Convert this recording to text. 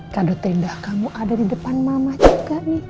kado terindah kamu ada di depan mama juga